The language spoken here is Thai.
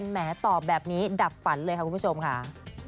แหมตอบแบบนี้ดับฝันเลยค่ะคุณผู้ชมค่ะ